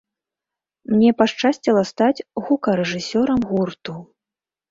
Мне пашчасціла стаць гукарэжысёрам гурту.